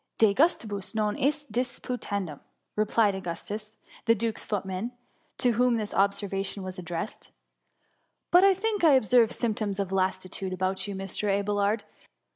*"^^ De gustibus non est disputandum/* replied Augustus, the duke^s footman, to whom this observation was addressed: — "But I think I observe symptoms of lassitude about you, Mr. Abelard.